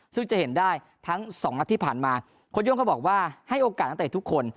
ซึ่งจะเห็นได้ทั้งสองนาทีผ่านมาคนยกเขาบอกว่าให้โอกาสตั้งแต่ทุกคน